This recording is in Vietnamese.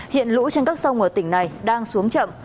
hiện lũ trên các sông ở tỉnh này đang xuống chậm